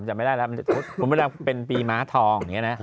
มันจะไม่ได้แล้วมันจะถุดคุณพ่อดำเป็นปีม้าทองอย่างเงี้ยนะ